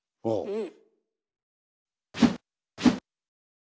うん。